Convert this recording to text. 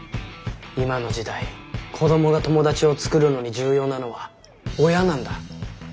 今の時代子どもが友達を作るのに重要なのは親なんだ。